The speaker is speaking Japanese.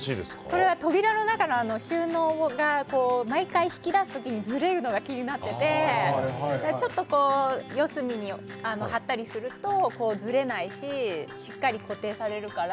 これは扉の中の収納が毎回、引き出す時にずれるのが気になっていてちょっと四隅に貼ったりするとずれないししっかり固定されるから。